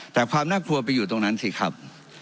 แต่ความน่ากลัวไปอยู่ตรงนั้นสิครับ